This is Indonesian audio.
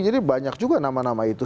jadi banyak juga nama nama itu